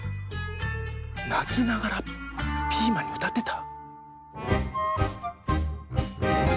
なきながらピーマンにうたってた？